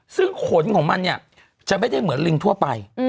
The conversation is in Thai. ซึ่งขนของมันเนี่ยจะไม่ได้เหมือนลิงทั่วไป